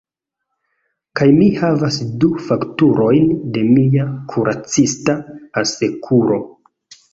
Kaj mi havas du fakturojn de mia kuracista asekuro.